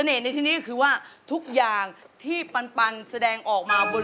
ป้าฝนลูกนั่งอ้าปากคอแข็งให้เลย